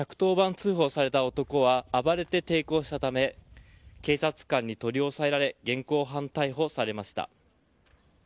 通報された男は暴れて抵抗したため警察官に取り押さえられ現行犯逮捕されました。